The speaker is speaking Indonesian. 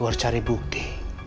gue harus cari bukti